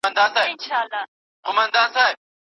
ده وویل چې زه اوس بیدار یم.